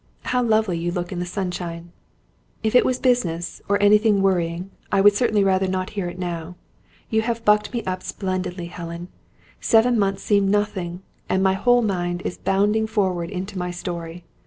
"How lovely you look in the sunshine! If it was business, or anything worrying, I would certainly rather not hear it now. You have bucked me up splendidly, Helen. Seven months seem nothing; and my whole mind is bounding forward into my story.